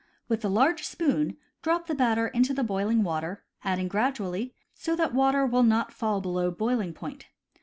With a large spoon drop the batter into the boiling water, adding gradually, so that water will not fall below boiling point.